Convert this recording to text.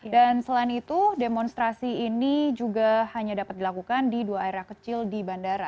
dan selain itu demonstrasi ini juga hanya dapat dilakukan di dua area kecil di bandara